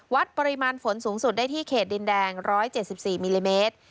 ปริมาณฝนสูงสุดได้ที่เขตดินแดง๑๗๔มิลลิเมตร